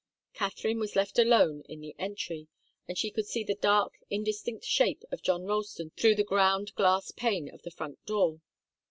Katharine was left alone in the entry, and she could see the dark, indistinct shape of John Ralston through the ground glass pane of the front door.